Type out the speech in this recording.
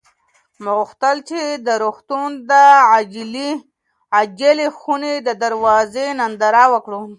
ما غوښتل چې د روغتون د عاجلې خونې د دروازې ننداره وکړم.